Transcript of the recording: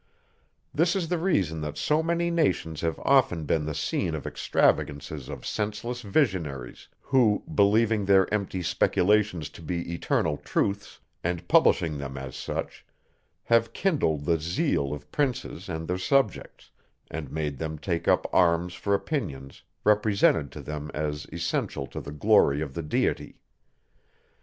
This is the reason that so many nations have often been the scene of extravagances of senseless visionaries, who, believing their empty speculations to be eternal truths, and publishing them as such, have kindled the zeal of princes and their subjects, and made them take up arms for opinions, represented to them as essential to the glory of the Deity.